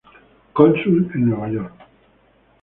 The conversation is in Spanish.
Cónsul en Nueva York.